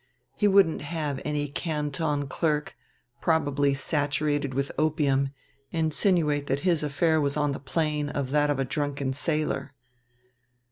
He wouldn't have any Canton clerk, probably saturated with opium, insinuate that his affair was on the plane of that of a drunken sailor!